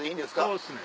そうですね。